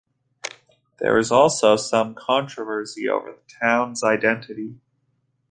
There is also some controversy over the town's identity.